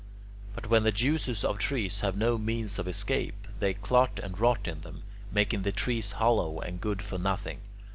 But when the juices of trees have no means of escape, they clot and rot in them, making the trees hollow and good for nothing.